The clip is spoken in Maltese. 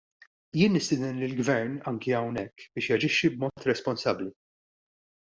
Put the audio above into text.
Jien nistieden lill-Gvern, anke hawnhekk, biex jaġixxi b'mod responsabbli.